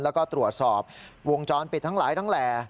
แล้วก็ตรวจสอบวงจรปิดทั้งหลายทั้งแหล่